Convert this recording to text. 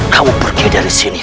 kamu pergi dari sini